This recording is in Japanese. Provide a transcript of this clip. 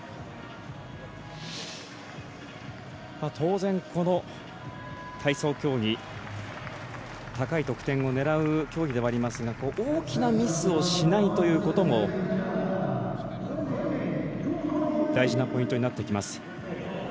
当然、この体操競技高い得点を狙う競技ではありますが大きなミスをしないということも大事なポイントになってきます。